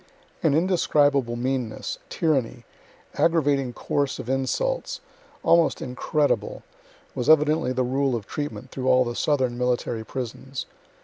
An indescribable meanness, tyranny, aggravating course of insults, almost incredible was evidently the rule of treatment through all the southern military prisons.